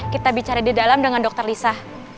kita bicara di dalam dengan dokter lisa